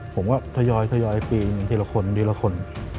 ผมก็ทยอยปีนทีละคนทีละคน